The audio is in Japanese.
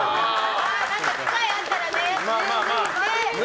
何か機会があったらね！